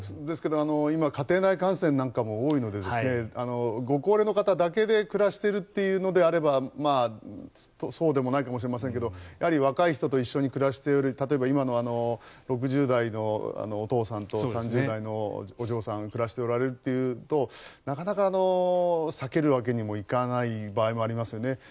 ですけど、今家庭内感染なんかも多いのでご高齢の方だけで暮らしているというのであればそうでもないかもしれませんが若い人と一緒に暮らしている例えば、今の６０代のお父さんと３０代のお嬢さんが暮らしておられるというとなかなか避けるわけにもいかない場合もありますよね。